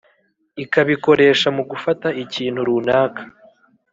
ikabikoresha mu gufata ikintu runaka